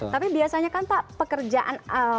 tapi biasanya kan pak pekerjaan